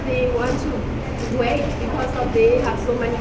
เพราะว่าพวกมันต้องรักษาอินเตอร์